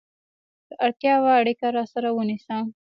که اړتیا وه، اړیکه راسره ونیسه!